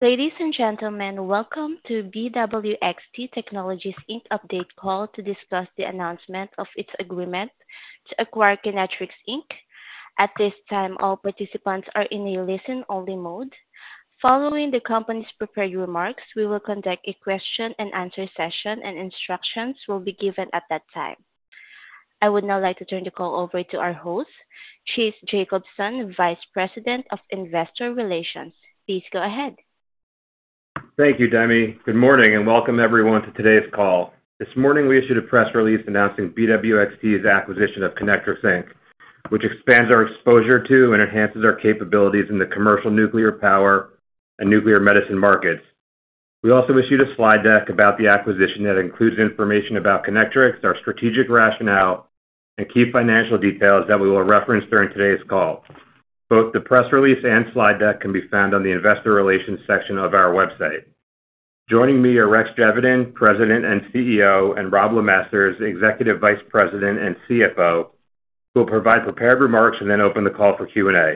Ladies and gentlemen, welcome to BWX Technologies Inc. update call to discuss the announcement of its agreement to acquire Kinectrics Inc. At this time, all participants are in a listen-only mode. Following the company's prepared remarks, we will conduct a question-and-answer session, and instructions will be given at that time. I would now like to turn the call over to our host, Chase Jacobson, Vice President of Investor Relations. Please go ahead. Thank you, Demi. Good morning and welcome everyone to today's call. This morning, we issued a press release announcing BWX's acquisition of Kinectrics Inc., which expands our exposure to and enhances our capabilities in the commercial nuclear power and nuclear medicine markets. We also issued a slide deck about the acquisition that includes information about Kinectrics, our strategic rationale, and key financial details that we will reference during today's call. Both the press release and slide deck can be found on the Investor Relations section of our website. Joining me are Rex Geveden, President and CEO, and Robb LeMasters, Executive Vice President and CFO, who will provide prepared remarks and then open the call for Q&A.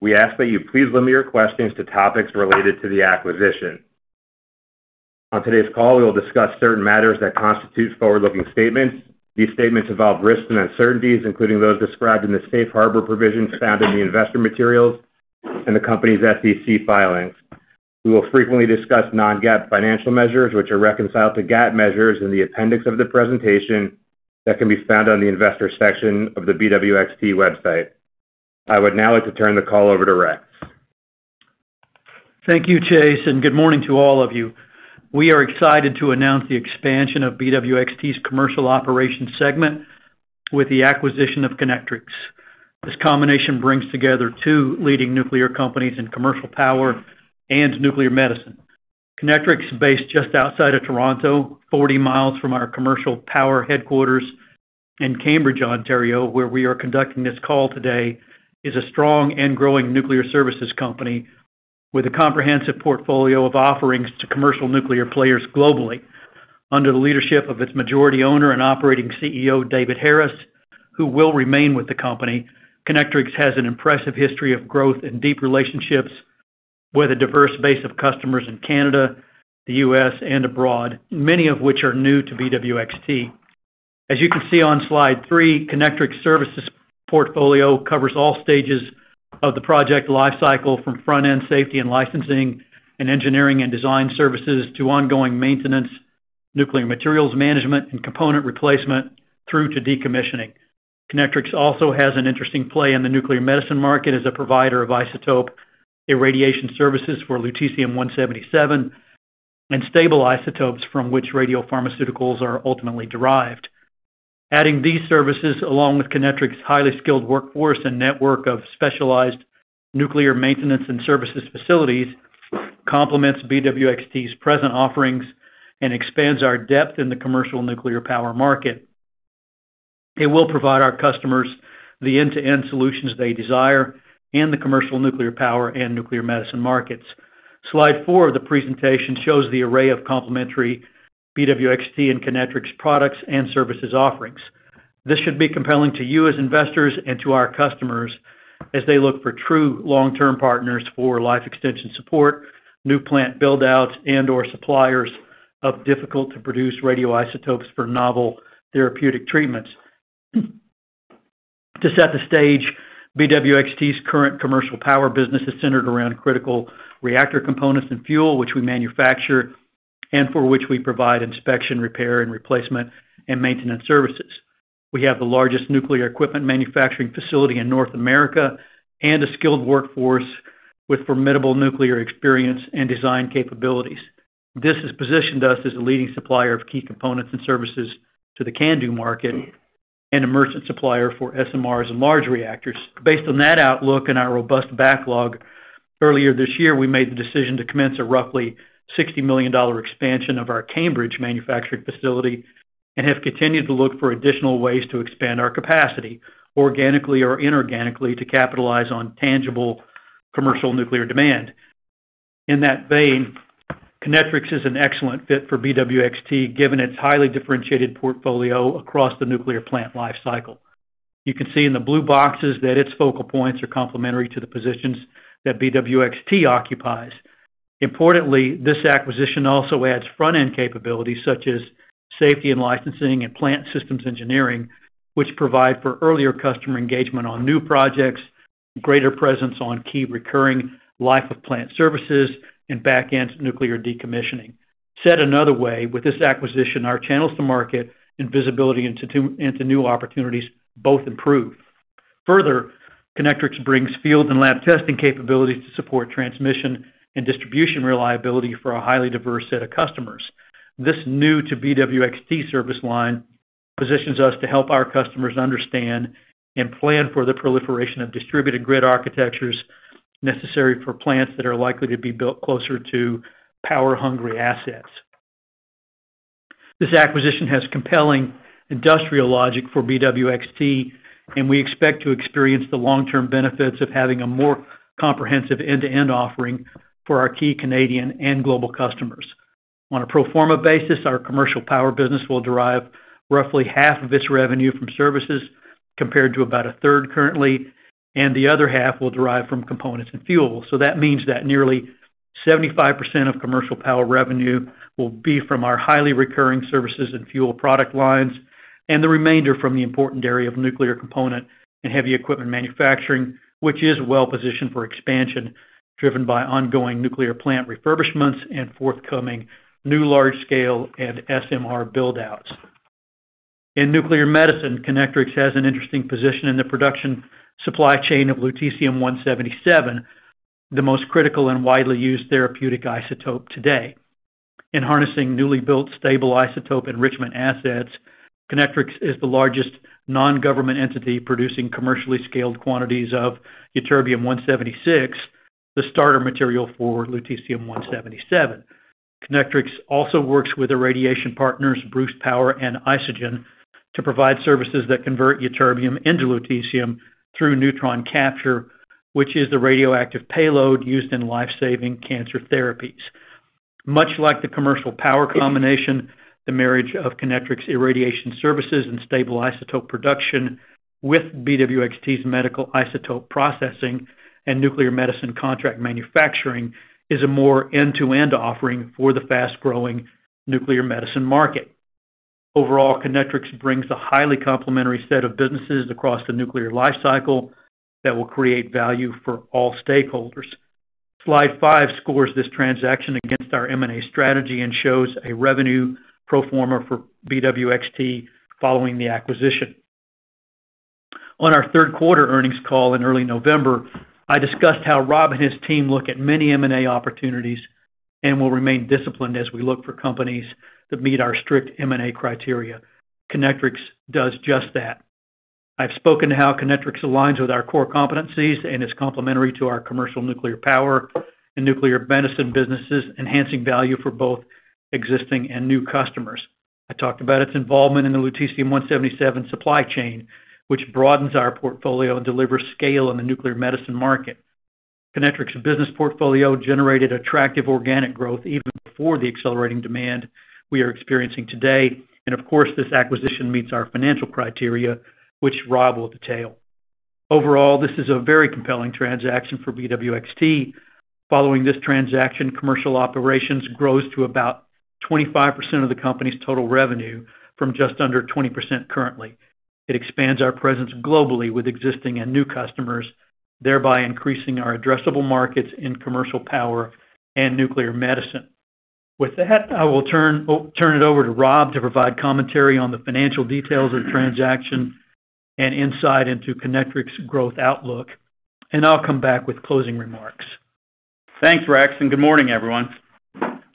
We ask that you please limit your questions to topics related to the acquisition. On today's call, we will discuss certain matters that constitute forward-looking statements. These statements involve risks and uncertainties, including those described in the safe harbor provisions found in the investor materials and the company's SEC filings. We will frequently discuss non-GAAP financial measures, which are reconciled to GAAP measures in the appendix of the presentation that can be found on the investor section of the BWX website. I would now like to turn the call over to Rex. Thank you, Chase, and good morning to all of you. We are excited to announce the expansion of BWX's commercial operations segment with the acquisition of Kinectrics. This combination brings together two leading nuclear companies in commercial power and nuclear medicine. Kinectrics, based just outside of Toronto, 40 mi from our commercial power headquarters in Cambridge, Ontario, where we are conducting this call today, is a strong and growing nuclear services company with a comprehensive portfolio of offerings to commercial nuclear players globally. Under the leadership of its majority owner and operating CEO, David Harris, who will remain with the company, Kinectrics has an impressive history of growth and deep relationships with a diverse base of customers in Canada, the U.S., and abroad, many of which are new to BWX. As you can see on slide three, Kinectrics's services portfolio covers all stages of the project lifecycle, from front-end safety and licensing and engineering and design services to ongoing maintenance, nuclear materials management, and component replacement through to decommissioning. Kinectrics also has an interesting play in the nuclear medicine market as a provider of isotope irradiation services for lutetium-177 and stable isotopes from which radiopharmaceuticals are ultimately derived. Adding these services, along with Kinectrics's highly skilled workforce and network of specialized nuclear maintenance and services facilities, complements BWX's present offerings and expands our depth in the commercial nuclear power market. It will provide our customers the end-to-end solutions they desire in the commercial nuclear power and nuclear medicine markets. Slide four of the presentation shows the array of complementary BWX and Kinectrics products and services offerings. This should be compelling to you as investors and to our customers as they look for true long-term partners for life extension support, new plant buildouts, and/or suppliers of difficult-to-produce radioisotopes for novel therapeutic treatments. To set the stage, BWX's current commercial power business is centered around critical reactor components and fuel, which we manufacture and for which we provide inspection, repair, replacement, and maintenance services. We have the largest nuclear equipment manufacturing facility in North America and a skilled workforce with formidable nuclear experience and design capabilities. This has positioned us as a leading supplier of key components and services to the CANDU market and emergent supplier for SMRs and large reactors. Based on that outlook and our robust backlog, earlier this year, we made the decision to commence a roughly $60 million expansion of our Cambridge manufacturing facility and have continued to look for additional ways to expand our capacity, organically or inorganically, to capitalize on tangible commercial nuclear demand. In that vein, Kinectrics is an excellent fit for BWX, given its highly differentiated portfolio across the nuclear plant lifecycle. You can see in the blue boxes that its focal points are complementary to the positions that BWX occupies. Importantly, this acquisition also adds front-end capabilities such as safety and licensing and plant systems engineering, which provide for earlier customer engagement on new projects, greater presence on key recurring life-of-plant services, and back-end nuclear decommissioning. Said another way, with this acquisition, our channels to market and visibility into new opportunities both improve. Further, Kinectrics brings field and lab testing capabilities to support transmission and distribution reliability for a highly diverse set of customers. This new-to-BWX service line positions us to help our customers understand and plan for the proliferation of distributed grid architectures necessary for plants that are likely to be built closer to power-hungry assets. This acquisition has compelling industrial logic for BWX, and we expect to experience the long-term benefits of having a more comprehensive end-to-end offering for our key Canadian and global customers. On a pro forma basis, our commercial power business will derive roughly half of its revenue from services, compared to about a third currently, and the other half will derive from components and fuel. So that means that nearly 75% of commercial power revenue will be from our highly recurring services and fuel product lines, and the remainder from the important area of nuclear component and heavy equipment manufacturing, which is well positioned for expansion driven by ongoing nuclear plant refurbishments and forthcoming new large-scale and SMR buildouts. In nuclear medicine, Kinectrics has an interesting position in the production supply chain of lutetium-177, the most critical and widely used therapeutic isotope today. In harnessing newly built stable isotope enrichment assets, Kinectrics is the largest non-government entity producing commercially scaled quantities of ytterbium-176, the starter material for lutetium-177. Kinectrics also works with irradiation partners, Bruce Power and Isogen, to provide services that convert ytterbium into lutetium through neutron capture, which is the radioactive payload used in lifesaving cancer therapies. Much like the commercial power combination, the marriage of Kinectrics irradiation services and stable isotope production with BWX's medical isotope processing and nuclear medicine contract manufacturing is a more end-to-end offering for the fast-growing nuclear medicine market. Overall, Kinectrics brings a highly complementary set of businesses across the nuclear life cycle that will create value for all stakeholders. Slide five scores this transaction against our M&A strategy and shows a revenue pro forma for BWX following the acquisition. On our third quarter earnings call in early November, I discussed how Robb and his team look at many M&A opportunities and will remain disciplined as we look for companies that meet our strict M&A criteria. Kinectrics does just that. I've spoken to how Kinectrics aligns with our core competencies and is complementary to our commercial nuclear power and nuclear medicine businesses, enhancing value for both existing and new customers. I talked about its involvement in the lutetium-177 supply chain, which broadens our portfolio and delivers scale in the nuclear medicine market. Kinectrics's business portfolio generated attractive organic growth even before the accelerating demand we are experiencing today. And of course, this acquisition meets our financial criteria, which Robb will detail. Overall, this is a very compelling transaction for BWX. Following this transaction, commercial operations grows to about 25% of the company's total revenue from just under 20% currently. It expands our presence globally with existing and new customers, thereby increasing our addressable markets in commercial power and nuclear medicine. With that, I will turn it over to Robb to provide commentary on the financial details of the transaction and insight into Kinectrics's growth outlook. And I'll come back with closing remarks. Thanks, Rex. Good morning, everyone.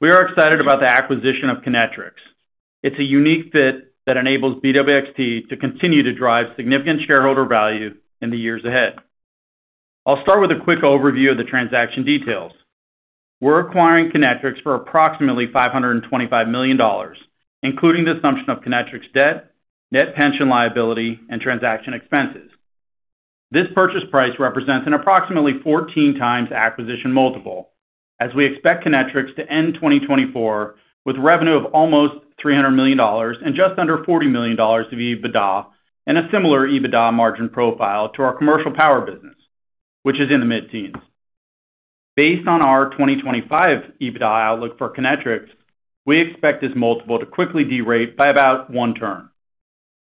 We are excited about the acquisition of Kinectrics. It's a unique fit that enables BWX to continue to drive significant shareholder value in the years ahead. I'll start with a quick overview of the transaction details. We're acquiring Kinectrics for approximately $525 million, including the assumption of Kinectrics debt, net pension liability, and transaction expenses. This purchase price represents an approximately 14 times acquisition multiple, as we expect Kinectrics to end 2024 with revenue of almost $300 million and just under $40 million of EBITDA and a similar EBITDA margin profile to our commercial power business, which is in the mid-teens. Based on our 2025 EBITDA outlook for Kinectrics, we expect this multiple to quickly de-rate by about one turn.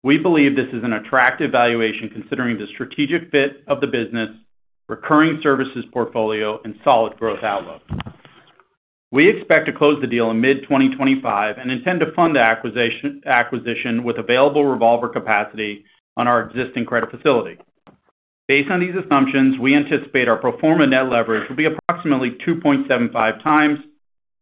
We believe this is an attractive valuation considering the strategic fit of the business, recurring services portfolio, and solid growth outlook. We expect to close the deal in mid-2025 and intend to fund the acquisition with available revolver capacity on our existing credit facility. Based on these assumptions, we anticipate our pro forma net leverage will be approximately 2.75 times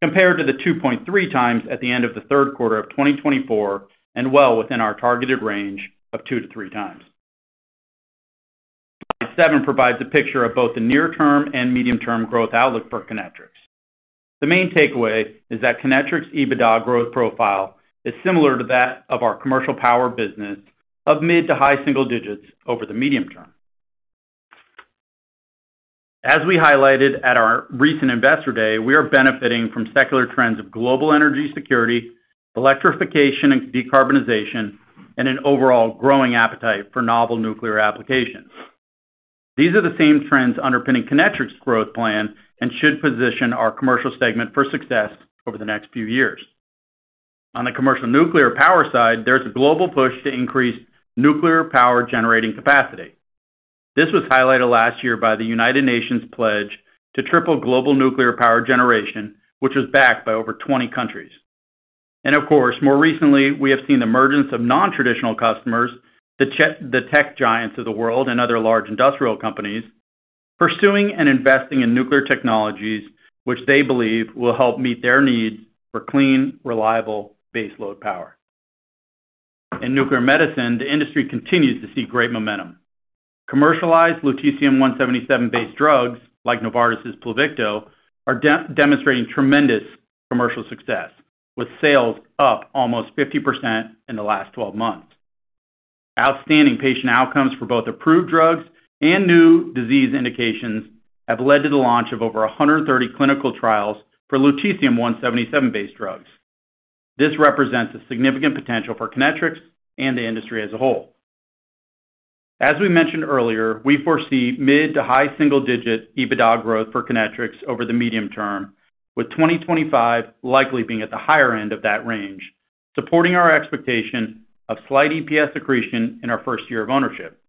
compared to the 2.3 times at the end of the third quarter of 2024 and well within our targeted range of two to three times. Slide seven provides a picture of both the near-term and medium-term growth outlook for Kinectrics. The main takeaway is that Kinectrics's EBITDA growth profile is similar to that of our commercial power business of mid to high single digits over the medium term. As we highlighted at our recent investor day, we are benefiting from secular trends of global energy security, electrification and decarbonization, and an overall growing appetite for novel nuclear applications. These are the same trends underpinning Kinectrics's growth plan and should position our commercial segment for success over the next few years. On the commercial nuclear power side, there's a global push to increase nuclear power generating capacity. This was highlighted last year by the United Nations pledge to triple global nuclear power generation, which was backed by over 20 countries, and of course, more recently, we have seen the emergence of non-traditional customers, the tech giants of the world, and other large industrial companies pursuing and investing in nuclear technologies, which they believe will help meet their needs for clean, reliable baseload power. In nuclear medicine, the industry continues to see great momentum. Commercialized lutetium-177-based drugs like Novartis' Pluvicto are demonstrating tremendous commercial success, with sales up almost 50% in the last 12 months. Outstanding patient outcomes for both approved drugs and new disease indications have led to the launch of over 130 clinical trials for lutetium-177-based drugs. This represents a significant potential for Kinectrics and the industry as a whole. As we mentioned earlier, we foresee mid to high single-digit EBITDA growth for Kinectrics over the medium term, with 2025 likely being at the higher end of that range, supporting our expectation of slight EPS accretion in our first year of ownership.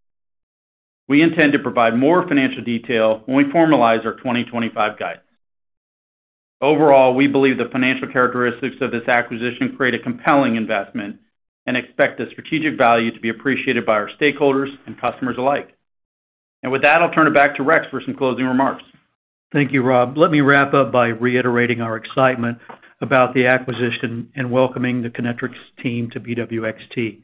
We intend to provide more financial detail when we formalize our 2025 guidance. Overall, we believe the financial characteristics of this acquisition create a compelling investment and expect the strategic value to be appreciated by our stakeholders and customers alike. With that, I'll turn it back to Rex for some closing remarks. Thank you, Robb. Let me wrap up by reiterating our excitement about the acquisition and welcoming the Kinectrics team to BWX.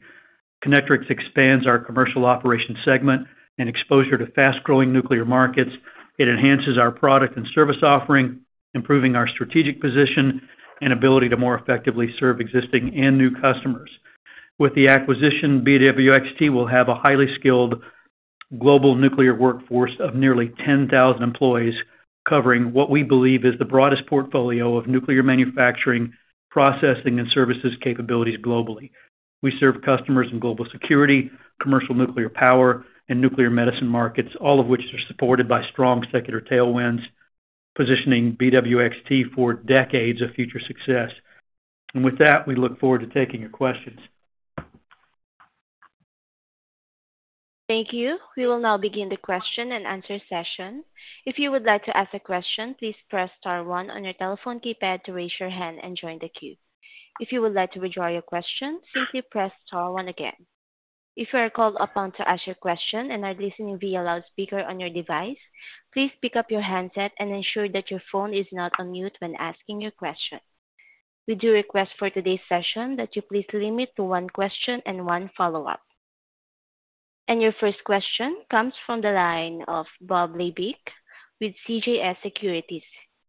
Kinectrics expands our commercial operation segment and exposure to fast-growing nuclear markets. It enhances our product and service offering, improving our strategic position and ability to more effectively serve existing and new customers. With the acquisition, BWX will have a highly skilled global nuclear workforce of nearly 10,000 employees, covering what we believe is the broadest portfolio of nuclear manufacturing, processing, and services capabilities globally. We serve customers in global security, commercial nuclear power, and nuclear medicine markets, all of which are supported by strong secular tailwinds, positioning BWX for decades of future success. And with that, we look forward to taking your questions. Thank you. We will now begin the question-and-answer session. If you would like to ask a question, please press star one on your telephone keypad to raise your hand and join the queue. If you would like to withdraw your question, simply press star one again. If you are called upon to ask your question and are listening via loudspeaker on your device, please pick up your handset and ensure that your phone is not on mute when asking your question. We do request for today's session that you please limit to one question and one follow-up. And your first question comes from the line of Bob Labick with CJS Securities.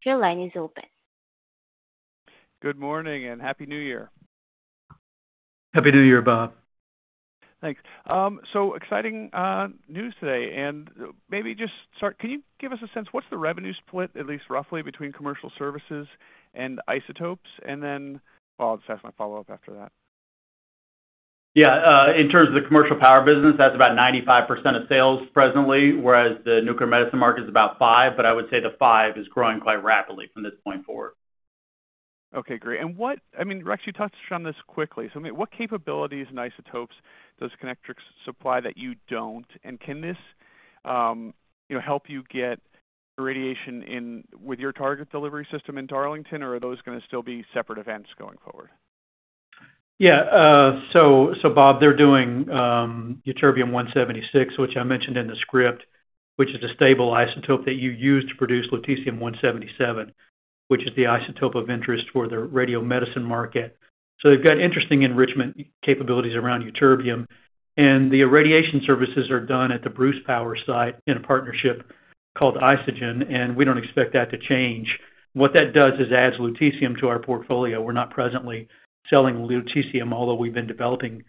Your line is open. Good morning and happy New Year. Happy New Year, Bob. Thanks. So exciting news today. And maybe just start, can you give us a sense? What's the revenue split, at least roughly, between commercial services and isotopes? And then, well, that's my follow-up after that. Yeah. In terms of the commercial power business, that's about 95% of sales presently, whereas the nuclear medicine market is about 5%. But I would say the 5% is growing quite rapidly from this point forward. Okay, great. And what, I mean, Rex, you touched on this quickly. So what capabilities and isotopes does Kinectrics supply that you don't? And can this help you get irradiation with your target delivery system in Darlington, or are those going to still be separate events going forward? Yeah. So, Bob, they're doing ytterbium-176, which I mentioned in the script, which is a stable isotope that you use to produce lutetium-177, which is the isotope of interest for the radiomedicine market. So they've got interesting enrichment capabilities around ytterbium. And the irradiation services are done at the Bruce Power site in a partnership called Isogen, and we don't expect that to change. What that does is adds lutetium to our portfolio. We're not presently selling lutetium, although we've been developing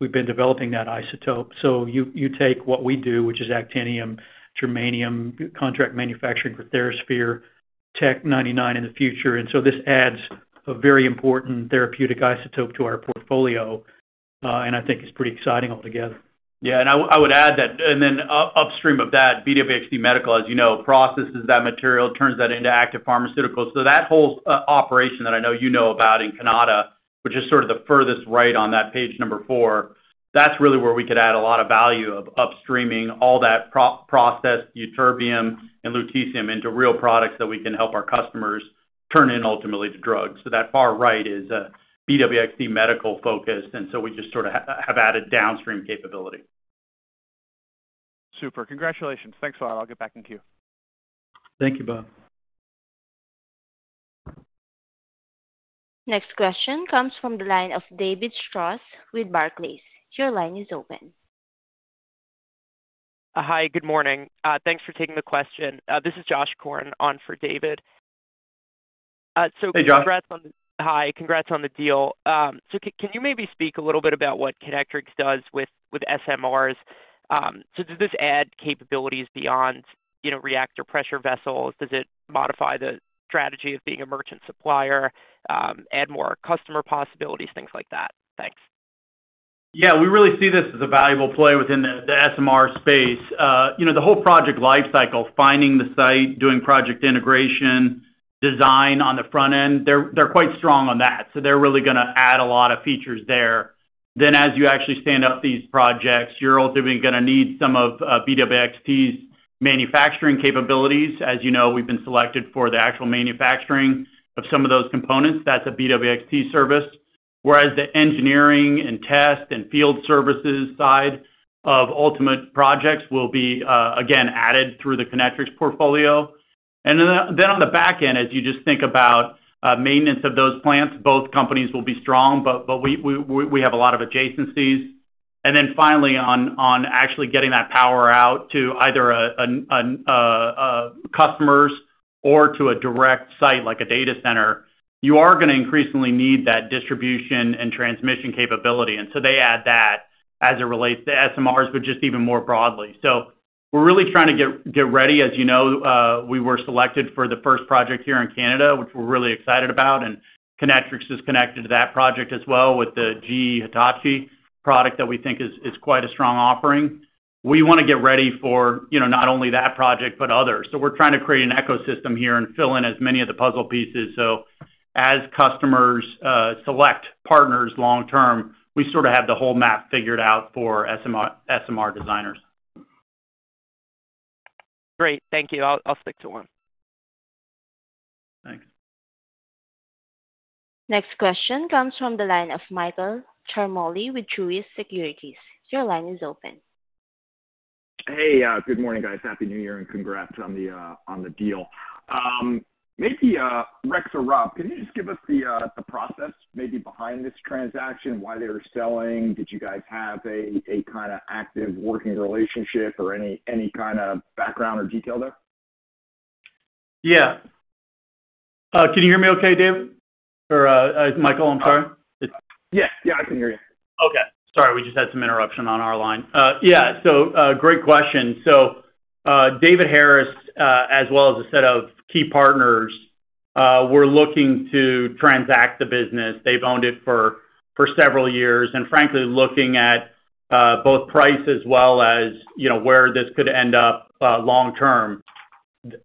that isotope. So you take what we do, which is actinium, germanium, contract manufacturing for TheraSphere, Tech-99 in the future. And so this adds a very important therapeutic isotope to our portfolio, and I think it's pretty exciting altogether. Yeah, and I would add that, and then upstream of that, BWX Medical, as you know, processes that material, turns that into active pharmaceuticals. So that whole operation that I know you know about in Kanata, which is sort of the furthest right on that page number four, that's really where we could add a lot of value of upstreaming all that processed ytterbium and lutetium into real products that we can help our customers turn into ultimately drugs. So that far right is BWX Medical focused, and so we just sort of have added downstream capability. Super. Congratulations. Thanks a lot. I'll get back in queue. Thank you, Bob. Next question comes from the line of David Strauss with Barclays. Your line is open. Hi, good morning. Thanks for taking the question. This is Josh Korn on for David. So. Hey, Josh. Hi. Congrats on the deal. So can you maybe speak a little bit about what Kinectrics does with SMRs? So does this add capabilities beyond reactor pressure vessels? Does it modify the strategy of being a merchant supplier, add more customer possibilities, things like that? Thanks. Yeah. We really see this as a valuable play within the SMR space. The whole project lifecycle, finding the site, doing project integration, design on the front end, they're quite strong on that. So they're really going to add a lot of features there. Then as you actually stand up these projects, you're ultimately going to need some of BWX's manufacturing capabilities. As you know, we've been selected for the actual manufacturing of some of those components. That's a BWX service. Whereas the engineering and test and field services side of ultimate projects will be, again, added through the Kinectrics portfolio. And then on the back end, as you just think about maintenance of those plants, both companies will be strong, but we have a lot of adjacencies. And then finally, on actually getting that power out to either customers or to a direct site like a data center, you are going to increasingly need that distribution and transmission capability. And so they add that as it relates to SMRs, but just even more broadly. So we're really trying to get ready. As you know, we were selected for the first project here in Canada, which we're really excited about. And Kinectrics is connected to that project as well with the GE Hitachi product that we think is quite a strong offering. We want to get ready for not only that project, but others. So we're trying to create an ecosystem here and fill in as many of the puzzle pieces. So as customers select partners long-term, we sort of have the whole map figured out for SMR designers. Great. Thank you. I'll stick to one. Thanks. Next question comes from the line of Michael Ciarmoli with Truist Securities. Your line is open. Hey, good morning, guys. Happy New Year and congrats on the deal. Maybe Rex or Robb, can you just give us the process maybe behind this transaction, why they were selling? Did you guys have a kind of active working relationship or any kind of background or detail there? Yeah. Can you hear me okay, David? Or Michael, I'm sorry. Yeah. Yeah, I can hear you. Okay. Sorry, we just had some interruption on our line. Yeah, so great question. So David Harris, as well as a set of key partners, were looking to transact the business. They've owned it for several years, and frankly, looking at both price as well as where this could end up long-term,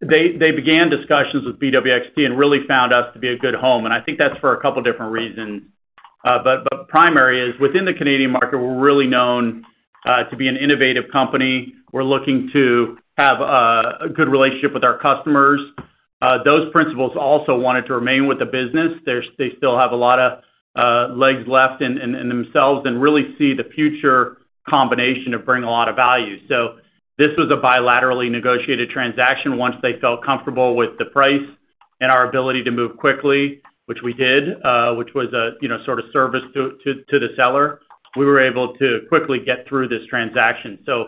they began discussions with BWX and really found us to be a good home, and I think that's for a couple of different reasons, but primary is within the Canadian market, we're really known to be an innovative company. We're looking to have a good relationship with our customers. Those principals also wanted to remain with the business. They still have a lot of legs left in themselves and really see the future combination of bringing a lot of value, so this was a bilaterally negotiated transaction. Once they felt comfortable with the price and our ability to move quickly, which we did, which was a sort of service to the seller, we were able to quickly get through this transaction. So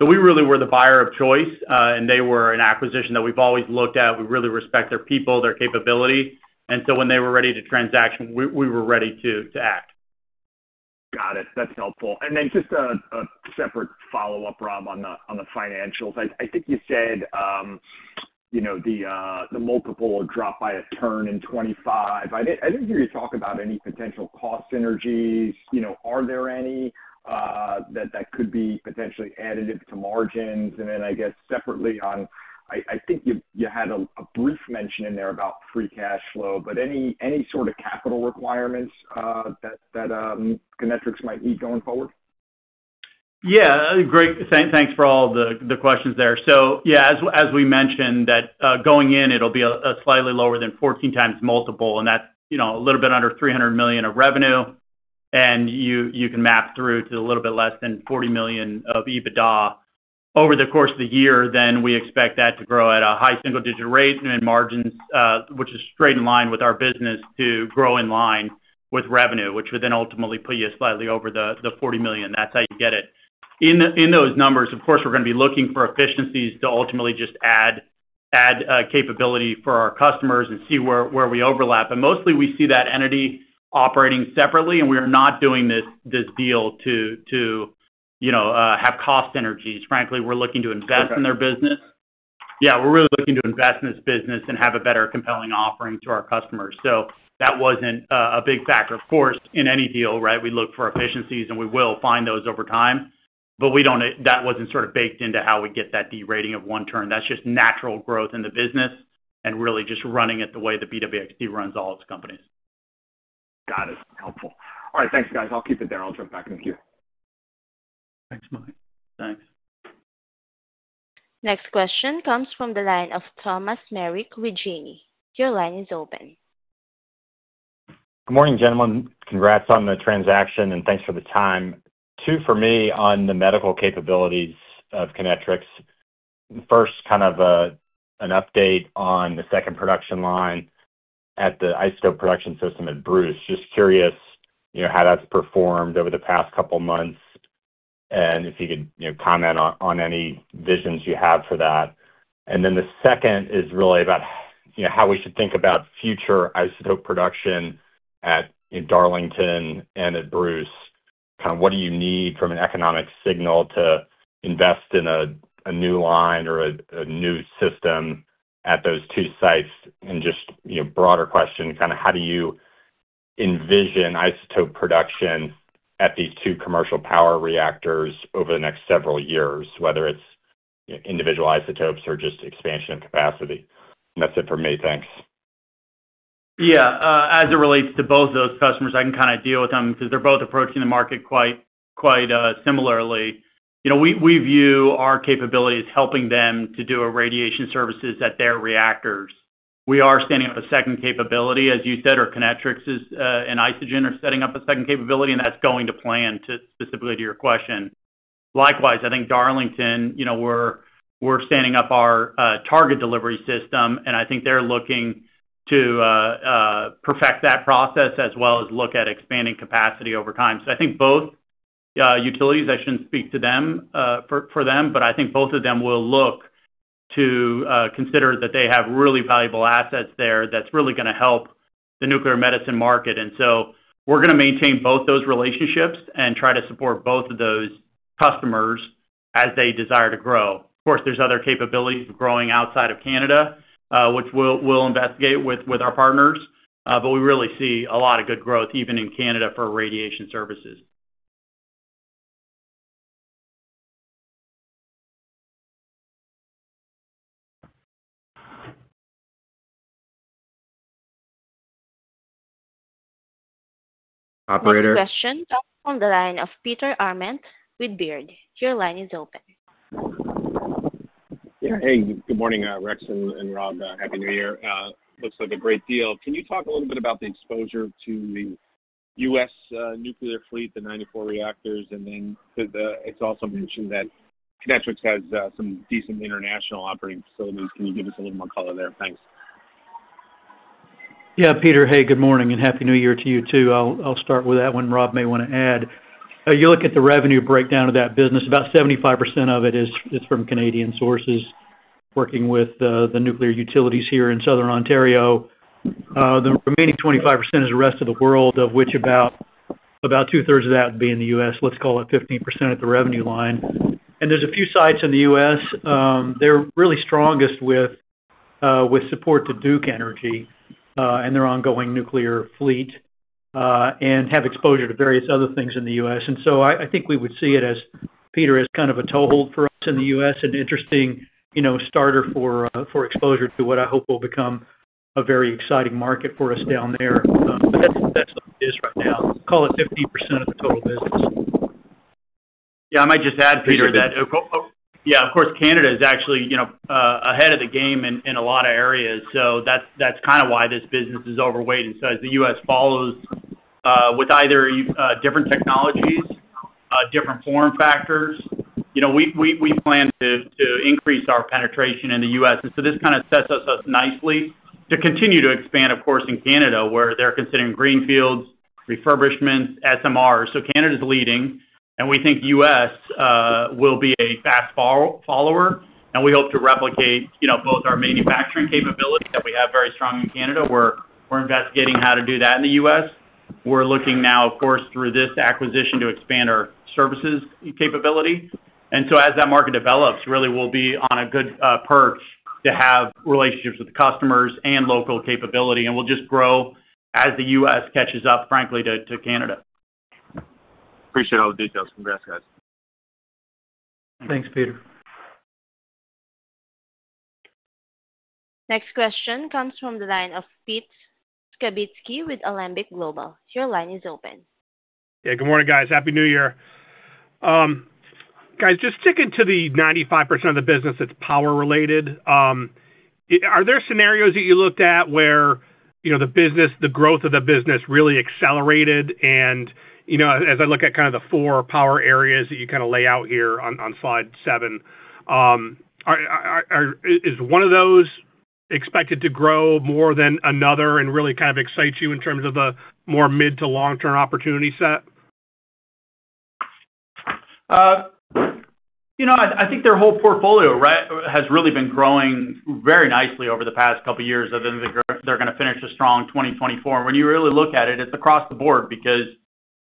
we really were the buyer of choice, and they were an acquisition that we've always looked at. We really respect their people, their capability, and so when they were ready to transact, we were ready to act. Got it. That's helpful. And then just a separate follow-up, Robb, on the financials. I think you said the multiple dropped by a turn in 2025. I didn't hear you talk about any potential cost synergies. Are there any that could be potentially additive to margins? And then I guess separately on, I think you had a brief mention in there about free cash flow, but any sort of capital requirements that Kinectrics might need going forward? Yeah. Great. Thanks for all the questions there. So yeah, as we mentioned, that going in, it'll be a slightly lower than 14 times multiple, and that's a little bit under $300 million of revenue. And you can map through to a little bit less than $40 million of EBITDA over the course of the year. Then we expect that to grow at a high single-digit rate and margins, which is straight in line with our business to grow in line with revenue, which would then ultimately put you slightly over the $40 million. That's how you get it. In those numbers, of course, we're going to be looking for efficiencies to ultimately just add capability for our customers and see where we overlap. And mostly, we see that entity operating separately, and we are not doing this deal to have cost synergies. Frankly, we're looking to invest in their business. Yeah, we're really looking to invest in this business and have a better compelling offering to our customers. So that wasn't a big factor. Of course, in any deal, right, we look for efficiencies, and we will find those over time. But that wasn't sort of baked into how we get that derating of one turn. That's just natural growth in the business and really just running it the way that BWX runs all its companies. Got it. Helpful. All right. Thanks, guys. I'll keep it there. I'll jump back in the queue. Thanks, Mike. Thanks. Next question comes from the line of Thomas Meric with Janney. Your line is open. Good morning, gentlemen. Congrats on the transaction, and thanks for the time. Two for me on the medical capabilities of Kinectrics. First, kind of an update on the second production line at the isotope production system at Bruce. Just curious how that's performed over the past couple of months and if you could comment on any visions you have for that. And then the second is really about how we should think about future isotope production at Darlington and at Bruce. Kind of what do you need from an economic signal to invest in a new line or a new system at those two sites? And just broader question, kind of how do you envision isotope production at these two commercial power reactors over the next several years, whether it's individual isotopes or just expansion of capacity? And that's it for me. Thanks. Yeah. As it relates to both of those customers, I can kind of deal with them because they're both approaching the market quite similarly. We view our capabilities helping them to do irradiation services at their reactors. We are standing up a second capability, as you said, or Kinectrics and Isogen are setting up a second capability, and that's going to plan specifically to your question. Likewise, I think Darlington, we're standing up our target delivery system, and I think they're looking to perfect that process as well as look at expanding capacity over time. So I think both utilities, I shouldn't speak to them for them, but I think both of them will look to consider that they have really valuable assets there that's really going to help the nuclear medicine market. And so we're going to maintain both those relationships and try to support both of those customers as they desire to grow. Of course, there's other capabilities of growing outside of Canada, which we'll investigate with our partners. But we really see a lot of good growth even in Canada for irradiation services. Operator. Next question comes from the line of Peter Arment with Baird. Your line is open. Yeah. Hey, good morning, Rex and Robb. Happy New Year. Looks like a great deal. Can you talk a little bit about the exposure to the U.S. nuclear fleet, the 94 reactors? And then it's also mentioned that Kinectrics has some decent international operating facilities. Can you give us a little more color there? Thanks. Yeah. Peter, hey, good morning and happy New Year to you too. I'll start with that one. Robb may want to add. You look at the revenue breakdown of that business, about 75% of it is from Canadian sources working with the nuclear utilities here in Southern Ontario. The remaining 25% is the rest of the world, of which about two-thirds of that would be in the U.S. Let's call it 15% at the revenue line. And there's a few sites in the U.S. They're really strongest with support to Duke Energy and their ongoing nuclear fleet and have exposure to various other things in the U.S. And so I think we would see it as, Peter, as kind of a toehold for us in the U.S., an interesting starter for exposure to what I hope will become a very exciting market for us down there. But that's what it is right now. Call it 15% of the total business. Yeah. I might just add, Peter, that yeah, of course, Canada is actually ahead of the game in a lot of areas, so that's kind of why this business is overweight, and so as the U.S. follows with either different technologies, different form factors, we plan to increase our penetration in the U.S., and so this kind of sets us up nicely to continue to expand, of course, in Canada where they're considering greenfields, refurbishments, SMRs, so Canada's leading, and we think the U.S. will be a fast follower, and we hope to replicate both our manufacturing capability that we have very strong in Canada. We're investigating how to do that in the U.S. We're looking now, of course, through this acquisition to expand our services capability, and so as that market develops, really, we'll be on a good perch to have relationships with the customers and local capability. We'll just grow as the U.S. catches up, frankly, to Canada. Appreciate all the details. Congrats, guys. Thanks, Peter. Next question comes from the line of Pete Skibitski with Alembic Global. Your line is open. Yeah. Good morning, guys. Happy New Year. Guys, just sticking to the 95% of the business that's power-related, are there scenarios that you looked at where the growth of the business really accelerated? And as I look at kind of the four power areas that you kind of lay out here on slide seven, is one of those expected to grow more than another and really kind of excite you in terms of the more mid to long-term opportunity set? I think their whole portfolio has really been growing very nicely over the past couple of years that they're going to finish a strong 2024. When you really look at it, it's across the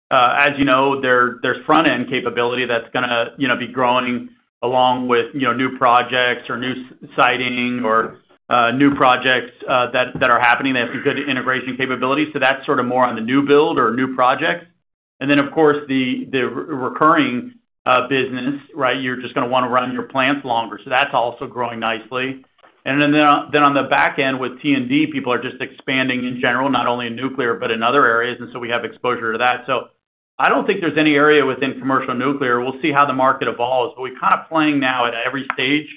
board because, as you know, there's front-end capability that's going to be growing along with new projects or new siting or new projects that are happening. They have some good integration capabilities. So that's sort of more on the new build or new projects. And then, of course, the recurring business, right, you're just going to want to run your plants longer. So that's also growing nicely. And then on the back end with T&D, people are just expanding in general, not only in nuclear but in other areas. And so we have exposure to that. So I don't think there's any area within commercial nuclear. We'll see how the market evolves. But we're kind of playing now at every stage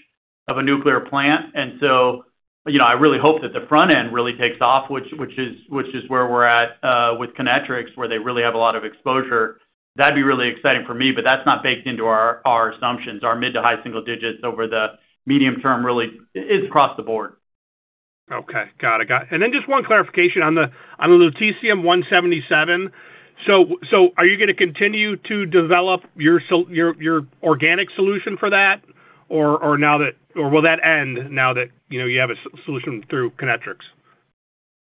of a nuclear plant. And so I really hope that the front end really takes off, which is where we're at with Kinectrics, where they really have a lot of exposure. That'd be really exciting for me. But that's not baked into our assumptions. Our mid- to high-single digits over the medium term really is across the board. Okay. Got it. Got it. And then just one clarification on the Lutetium-177. So are you going to continue to develop your organic solution for that, or will that end now that you have a solution through Kinectrics?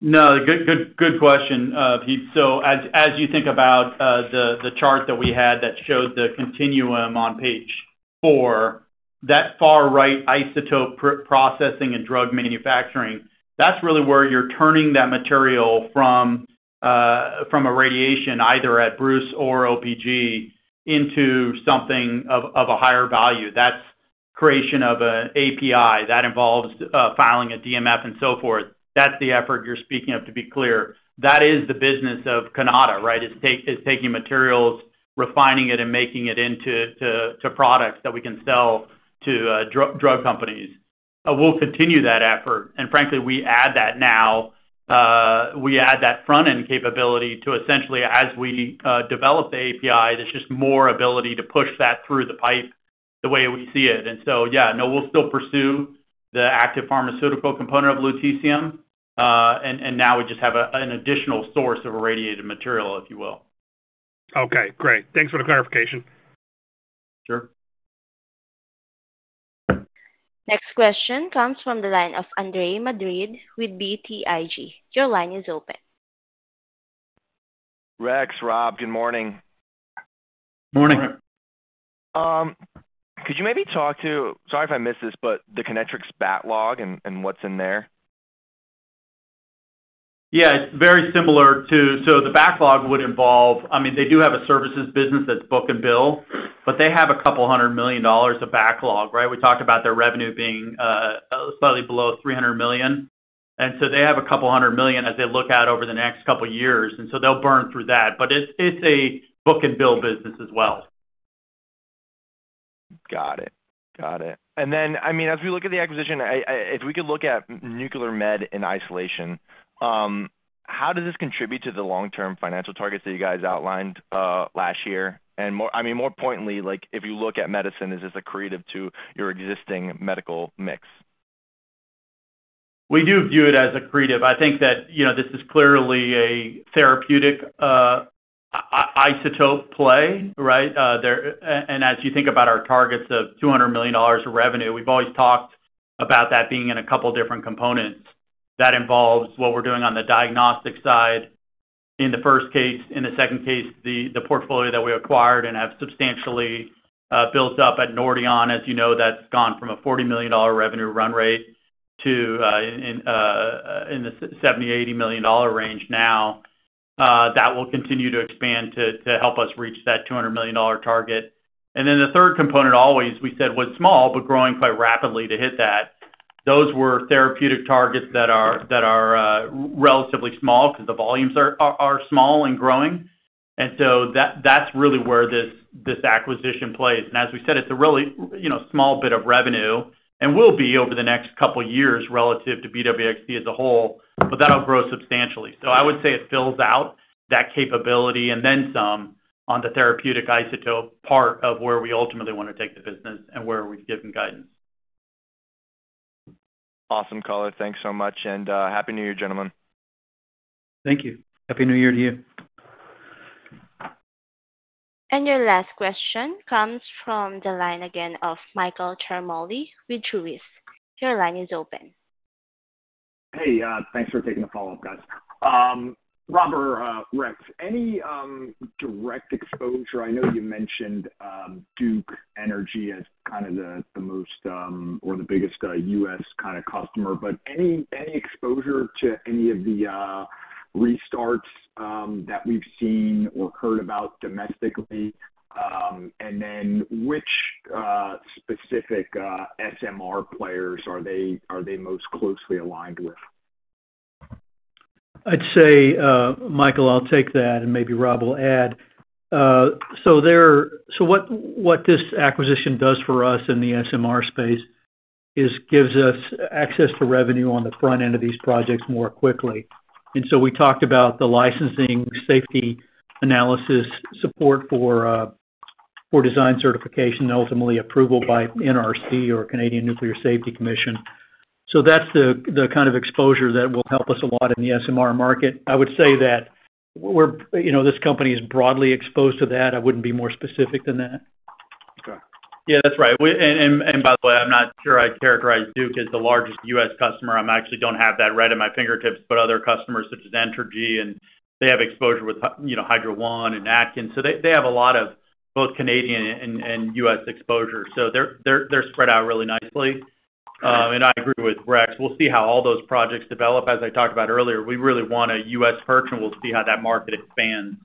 No. Good question, Pete. So as you think about the chart that we had that showed the continuum on page four, that far right isotope processing and drug manufacturing, that's really where you're turning that material from irradiation either at Bruce or OPG into something of a higher value. That's creation of an API that involves filing a DMF and so forth. That's the effort you're speaking of, to be clear. That is the business of Kinectrics, right, is taking materials, refining it, and making it into products that we can sell to drug companies. We'll continue that effort. And frankly, we add that now. We add that front-end capability to essentially, as we develop the API, there's just more ability to push that through the pipe the way we see it. And so, yeah, no, we'll still pursue the active pharmaceutical component of Lutetium. Now we just have an additional source of irradiated material, if you will. Okay. Great. Thanks for the clarification. Sure. Next question comes from the line of Andre Madrid with BTIG. Your line is open. Rex, Robb, good morning. Morning. Could you maybe talk to, sorry if I missed this, but the Kinectrics backlog and what's in there? Yeah. It's very similar to so the backlog would involve. I mean, they do have a services business that's book and bill, but they have $200 million of backlog, right? We talked about their revenue being slightly below $300 million. And so they have $200 million as they look at over the next couple of years. And so they'll burn through that. But it's a book and bill business as well. Got it. Got it. And then, I mean, as we look at the acquisition, if we could look at nuclear med in isolation, how does this contribute to the long-term financial targets that you guys outlined last year? And I mean, more importantly, if you look at medicine, is this accretive to your existing medical mix? We do view it as accretive. I think that this is clearly a therapeutic isotope play, right? And as you think about our targets of $200 million of revenue, we've always talked about that being in a couple different components. That involves what we're doing on the diagnostic side in the first case. In the second case, the portfolio that we acquired and have substantially built up at Nordion, as you know, that's gone from a $40 million revenue run rate to in the $70-$80 million range now. That will continue to expand to help us reach that $200 million target. And then the third component, always, we said, was small but growing quite rapidly to hit that. Those were therapeutic targets that are relatively small because the volumes are small and growing. And so that's really where this acquisition plays. As we said, it's a really small bit of revenue and will be over the next couple of years relative to BWXT as a whole, but that'll grow substantially. I would say it fills out that capability and then some on the therapeutic isotope part of where we ultimately want to take the business and where we've given guidance. Awesome, caller. Thanks so much, and happy New Year, gentlemen. Thank you. Happy New Year to you. Your last question comes from the line again of Michael Ciarmoli with Truist. Your line is open. Hey, thanks for taking the call, guys. Rex, any direct exposure? I know you mentioned Duke Energy as kind of the most or the biggest U.S. kind of customer, but any exposure to any of the restarts that we've seen or heard about domestically? And then which specific SMR players are they most closely aligned with? I'd say, Michael, I'll take that, and maybe Robb will add. So what this acquisition does for us in the SMR space is gives us access to revenue on the front end of these projects more quickly. And so we talked about the licensing, safety analysis, support for design certification, and ultimately approval by NRC or Canadian Nuclear Safety Commission. So that's the kind of exposure that will help us a lot in the SMR market. I would say that this company is broadly exposed to that. I wouldn't be more specific than that. Okay. Yeah, that's right. And by the way, I'm not sure I characterized Duke as the largest U.S. customer. I actually don't have that right at my fingertips, but other customers such as Entergy, and they have exposure with Hydro One and Atkins. So they have a lot of both Canadian and U.S. exposure. So they're spread out really nicely. And I agree with Rex. We'll see how all those projects develop. As I talked about earlier, we really want a U.S. perch, and we'll see how that market expands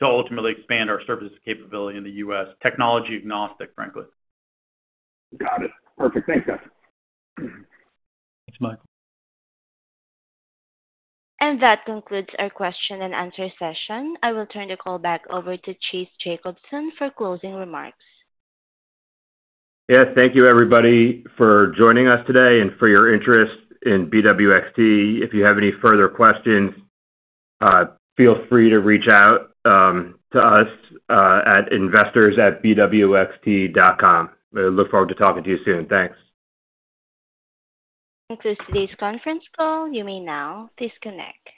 to ultimately expand our services capability in the U.S., technology agnostic, frankly. Got it. Perfect. Thanks, guys. Thanks, Michael. That concludes our question and answer session. I will turn the call back over to Chase Jacobson for closing remarks. Yes. Thank you, everybody, for joining us today and for your interest in BWXT. If you have any further questions, feel free to reach out to us at investors@bwxt.com. I look forward to talking to you soon. Thanks. Close today's conference call. You may now disconnect.